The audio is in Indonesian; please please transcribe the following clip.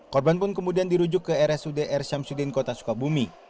korban pun kemudian dirujuk ke rsud r syamsuddin kota sukabumi